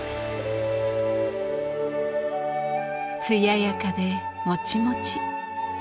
艶やかでもちもち。